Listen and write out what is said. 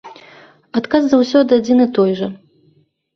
Адказ заўсёды адзін і той жа.